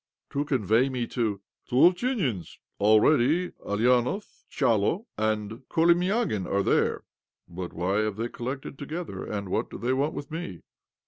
" To convey me to, to ?"" To Ovchinin's. Already Alianov, Pchailo, and Kolimiagin are there." "But why have they collected together? And what do they want with me